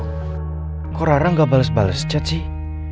kok orang orang gak bales bales chat sih